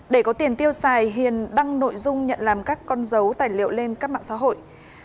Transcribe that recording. để có tiền tiêu xài hiền đăng nội dung nhận làm các con dấu tài liệu lên các mạng xã hội